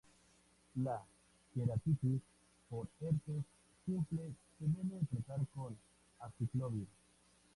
La queratitis por herpes simple se debe tratar con aciclovir.